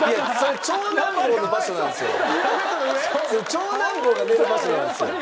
長男坊が寝る場所なんです。